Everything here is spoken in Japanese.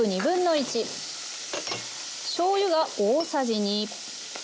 しょうゆが大さじ２。